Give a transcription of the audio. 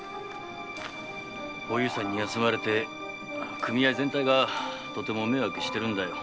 おゆうさんに休まれて組合全体がとても迷惑してるんだよ。